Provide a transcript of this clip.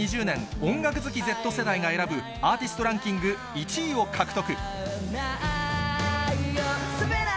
音楽好きＺ世代が選ぶアーティストランキング１位を獲得。